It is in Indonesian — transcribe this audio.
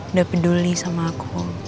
udah peduli sama aku